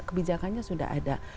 kebijakannya sudah ada